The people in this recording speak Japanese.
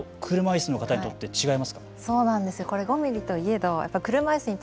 車いすの方にとって違いますか。